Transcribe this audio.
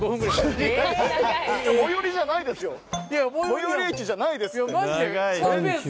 最寄り駅じゃないですって。